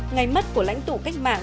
ngày mất của lãnh tụ cách mạng